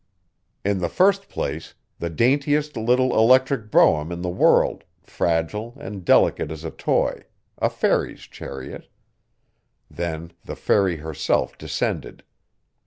In the first place, the daintiest little electric brougham in the world, fragile and delicate as a toy a fairy's chariot. Then the fairy herself descended.